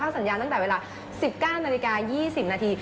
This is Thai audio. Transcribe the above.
สัญญาณตั้งแต่เวลา๑๙นาฬิกา๒๐นาที